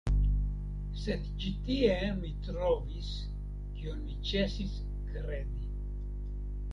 Sed ĉi tie mi trovis, kion mi ĉesis kredi.